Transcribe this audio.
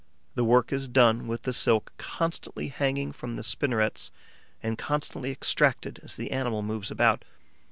The work is done with the silk constantly hanging from the spinnerets and constantly extracted as the animal moves about.